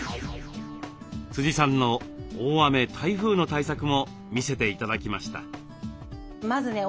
さんの大雨台風の対策も見せて頂きました。